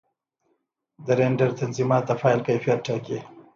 د رېنډر تنظیمات د فایل کیفیت ټاکي.